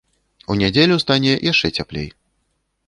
У нядзелю стане яшчэ цяплей.